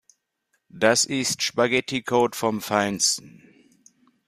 Das ist Spaghetticode vom Feinsten.